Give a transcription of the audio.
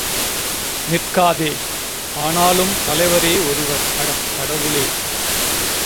நிற்காதே! ஆனாலும், தலைவரே ஒருவர். அட கடவுளே!